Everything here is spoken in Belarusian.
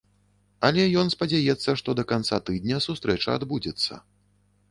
Але ён спадзяецца, што да канца тыдня сустрэча адбудзецца.